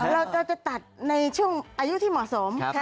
เราจะตัดในช่วงอายุที่เหมาะสม